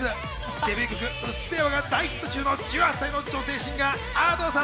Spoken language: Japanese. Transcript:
デビュー曲『うっせぇわ』が大ヒット中の１８歳の女性シンガー・Ａｄｏさん。